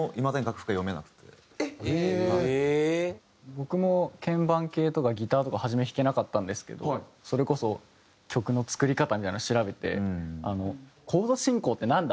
僕も鍵盤系とかギターとか初め弾けなかったんですけどそれこそ曲の作り方みたいなの調べてコード進行ってなんだ？